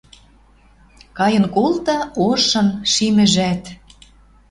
Кайын колта ошын шимӹжӓт.